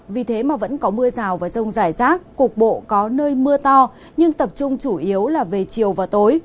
vì thế mà vẫn có mưa rào và rông rải rác cục bộ có nơi mưa to nhưng tập trung chủ yếu là về chiều và tối